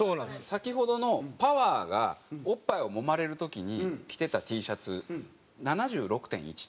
先ほどのパワーがおっぱいを揉まれる時に着てたＴシャツ「７６．１」って書いてあるんです。